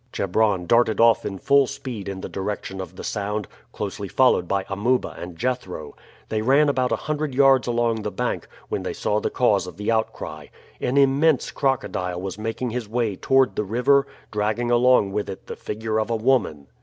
Chebron darted off in full speed in the direction of the sound, closely followed by Amuba and Jethro. They ran about a hundred yards along the bank, when they saw the cause of the outcry. An immense crocodile was making his way toward the river, dragging along with it the figure of a woman.